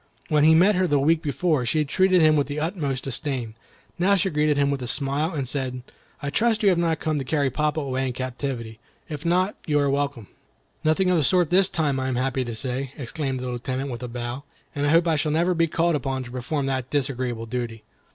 When he met her the week before, she treated him with the utmost disdain; now she greeted him with a smile, and said, "I trust you have not come to carry papa away in captivity. If not, you are welcome." "Nothing of the sort this time, I am happy to say," exclaimed the Lieutenant, with a bow, "and I hope I shall never be called upon to perform that disagreeable duty."